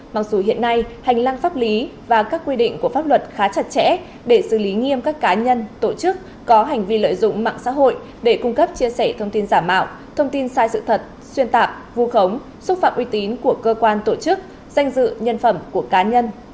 mặc dù hiện nay hành lang pháp lý và các quy định của pháp luật khá chặt chẽ để xử lý nghiêm các cá nhân tổ chức có hành vi lợi dụng mạng xã hội để cung cấp chia sẻ thông tin giả mạo thông tin sai sự thật xuyên tạp vu khống xúc phạm uy tín của cơ quan tổ chức danh dự nhân phẩm của cá nhân